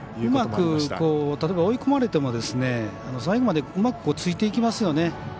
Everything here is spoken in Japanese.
うまく例えば追い込まれても最後までうまくついていきますよね。